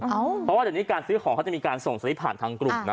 เพราะว่าเดี๋ยวนี้การซื้อของเขาจะมีการส่งสลิปผ่านทางกลุ่มนะ